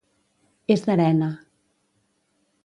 És d'arena.